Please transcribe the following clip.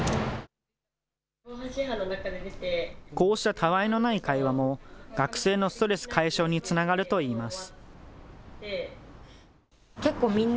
たわいのない会話も学生のストレス解消につながるといいます。